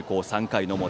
３回の表。